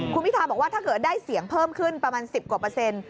คุณพิทาบอกว่าถ้าเกิดได้เสียงเพิ่มขึ้นประมาณ๑๐กว่าเปอร์เซ็นต์